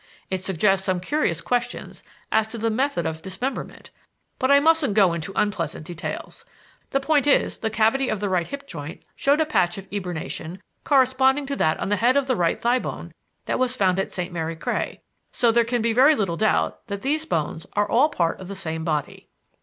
It suggests some curious questions as to the method of dismemberment; but I mustn't go into unpleasant details. The point is that the cavity of the right hip joint showed a patch of eburnation corresponding to that on the head of the right thigh bone that was found at St. Mary Cray. So there can be very little doubt that these bones are all part of the same body."